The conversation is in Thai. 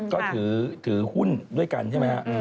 ก็ถือหุ้นด้วยกันใช่ไหมฮะ